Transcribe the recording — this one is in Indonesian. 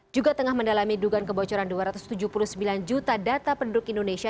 juga tengah mendalami dugaan kebocoran dua ratus tujuh puluh sembilan juta data penduduk indonesia